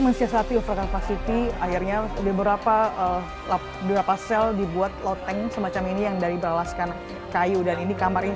akhirnya beberapa lapas sel dibuat loteng semacam ini yang dari beralaskan kayu dan ini kamar ini